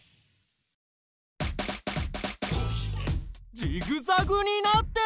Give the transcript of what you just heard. ジグザグになってる！？